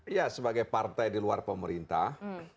ya sebagai partai di luar pemerintah